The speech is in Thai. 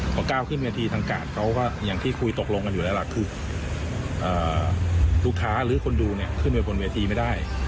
พอก้าวขึ้นเวทีทางการเขาก็อย่างที่คุยตกลงกันอยู่แล้วล่ะคือลูกค้าหรือคนดูเนี่ยขึ้นไปบนเวทีไม่ได้